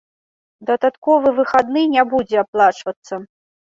Дадатковы выхадны не будзе аплачвацца.